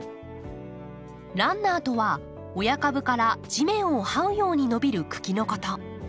「ランナー」とは親株から地面をはうように伸びる茎のこと。